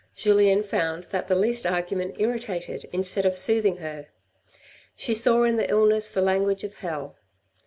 Julien found that the least argument irritated instead of soothing her. She saw in the illness the language of hell.